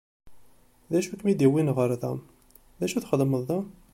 D acu i kem-id-yewwin ɣer da, d acu i txeddmeḍ da?